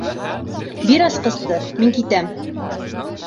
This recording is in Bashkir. Бир асҡысты, мин китәм.